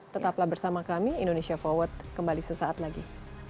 tetaplah bersama kami indonesia forward kembali sesaat lagi